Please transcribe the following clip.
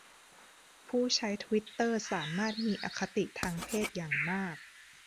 ผู้ใช้ทวิตเตอร์สามารถมีอคติทางเพศอย่างมาก